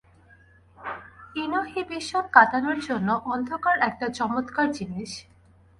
Inhibition কাটানোর জন্যে অন্ধকার একটা চমৎকার জিনিস।